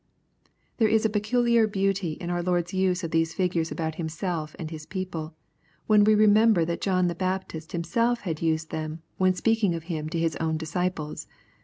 '] There is a peculiar beauty in our Lord's use of these figures about Himself and His people, when we remember that John the Baptist himself had used them when speaking of Him to his own disciples.